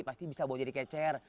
pasti bisa buat jadi kayak chair